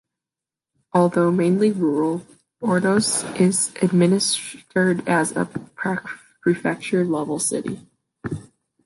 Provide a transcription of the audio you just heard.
Although mainly rural, Ordos is administered as a prefecture-level city.